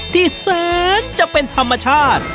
ที่แสนจะเป็นธรรมชาติ